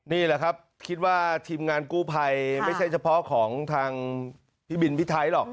นี่แหละครับคิดว่าทีมงานกู้ภัยไม่ใช่เฉพาะของทางพี่บินพี่ไทยหรอก